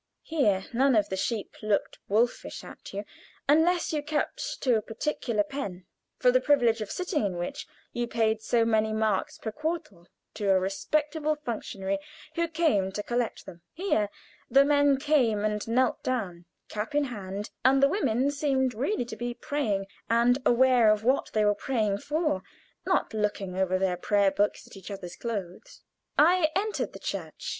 Here none of the sheep looked wolfish at you unless you kept to a particular pen, for the privilege of sitting in which you paid so many marks per quartal to a respectable functionary who came to collect them. Here the men came and knelt down, cap in hand, and the women seemed really to be praying, and aware of what they were praying for, not looking over their prayer books at each other's clothes. I entered the church.